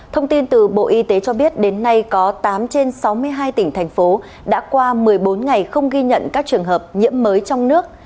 thông tin từ bộ y tế cho biết đến nay có tám trên sáu mươi hai tỉnh thành phố đã qua một mươi bốn ngày không ghi nhận các trường hợp nhiễm mới trong nước